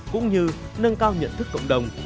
cũng như nâng cao nhận thức cộng đồng